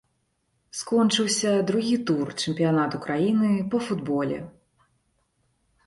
Скончыўся другі тур чэмпіянату краіны па футболе.